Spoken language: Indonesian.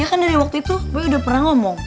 ya kan dari waktu itu boy udah pernah ngomong